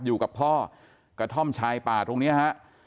อยู่กับพ่อกระท่อมชายป่าตรงนี้ฮะ